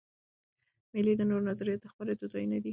مېلې د نوو نظریاتو د خپرېدو ځایونه دي.